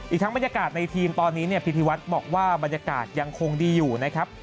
ทั้งบรรยากาศในทีมตอนนี้เนี่ยพิธีวัฒน์บอกว่าบรรยากาศยังคงดีอยู่นะครับ